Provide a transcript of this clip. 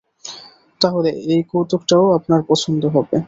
তাহলে এই কৌতুকটাও আপনার পছন্দ হবে।